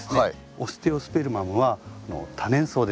オステオスペルマムは多年草です。